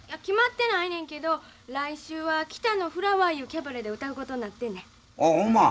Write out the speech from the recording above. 決まってないねんけど来週はキタのフラワーいうキャバレーで歌うことになってんねん。